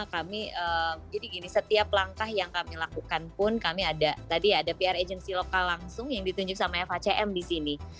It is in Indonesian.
kami jadi gini setiap langkah yang kami lakukan pun kami ada tadi ada pr agency lokal langsung yang ditunjuk sama facm di sini